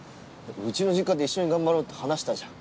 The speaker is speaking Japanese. うちの実家で一緒に頑張ろうって話したじゃん。